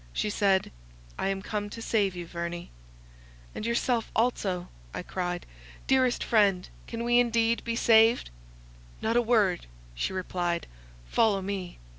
She said, "I am come to save you, Verney." "And yourself also," I cried: "dearest friend, can we indeed be saved?" "Not a word," she replied, "follow me!"